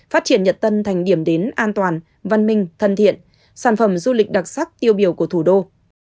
phát triển nhật tân thành điểm đến an toàn văn minh thân thiện sản phẩm du lịch đặc sắc tiêu biểu của thủ đô